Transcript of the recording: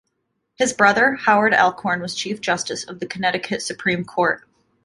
His brother Howard Alcorn was chief justice of the Connecticut Supreme Court.